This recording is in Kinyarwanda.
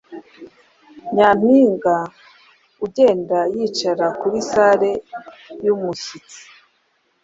Nyampinga ugenda yicara kuri sale yumushyitsi